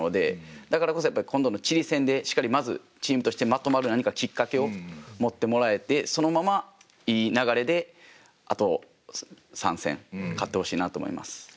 だからこそ今度のチリ戦でしっかりまずチームとしてまとまる何かきっかけを持ってもらえてそのままいい流れであと３戦勝ってほしいなと思います。